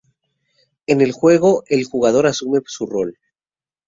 En el juego, el jugador asume su rol.